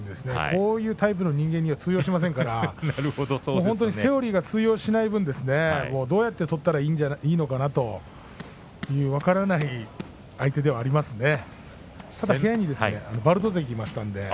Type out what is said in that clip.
こういうタイプの人間には通用しませんからセオリーが通用しないのでどうやって立ったらいいのか分からない相手ではありますね。